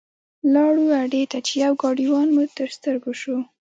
لاړو اډې ته چې یو ګاډیوان مو تر سترګو شو.